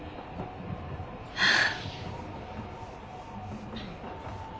はあ。